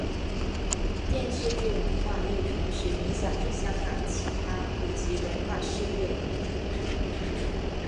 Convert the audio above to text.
电视剧文化亦同时影响着香港其他普及文化事业。